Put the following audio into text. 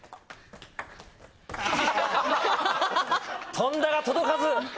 跳んだが届かず。